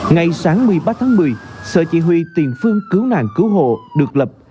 ngày sáng một mươi ba tháng một mươi sở chỉ huy tiền phương cứu nạn cứu hộ được lập